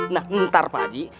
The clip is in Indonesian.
nah ntar pak haji